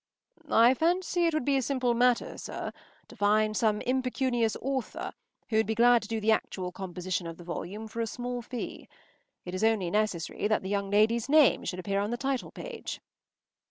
“I fancy it would be a simple matter, sir, to find some impecunious author who would be glad to do the actual composition of the volume for a small fee. It is only necessary that the young lady’s name should appear on the title page.